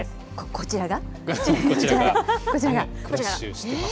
こちらが。